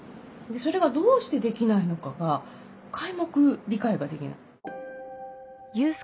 でそれがどうしてできないのかが皆目理解ができない。